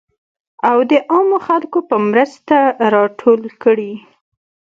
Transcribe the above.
او د عامو خلکو په مرسته راټول کړي .